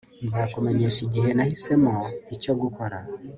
Nzakumenyesha igihe nahisemo icyo gukora